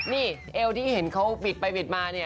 นี่เอวที่เห็นเขาบิดไปบิดมาเนี่ย